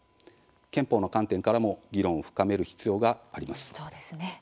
憲法の観点からも議論を深める必要があります。